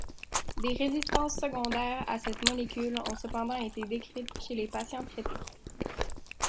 Des résistances secondaires à cette molécule ont cependant été décrites chez les patients traités.